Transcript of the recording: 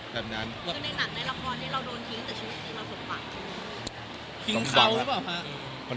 แบบนั้น